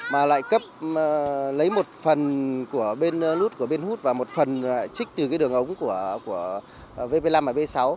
mà lại lấy một phần của bên nút của bên hút và một phần trích từ cái đường ống của vp năm và vp sáu